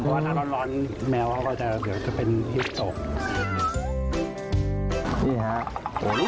อะไรแล้วอันนี้เทปสุดท้ายแล้ว